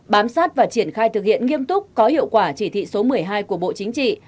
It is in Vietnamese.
bám sát và triển khai thực hiện nghiêm túc có hiệu quả chỉ thị số một mươi hai của bộ chính trị